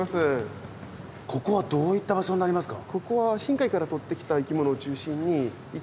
ここはどういった場所になりますか？